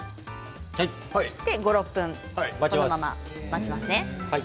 ５、６分このまま待ちますね。